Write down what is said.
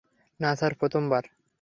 না, স্যার, প্রথম বার।